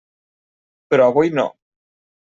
Però avui no.